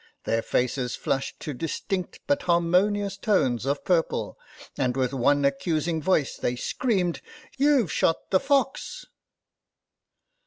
Their faces flushed to distinct but harmonious tones of purple, and with one accusing voice they screamed, " YouVe shot the fox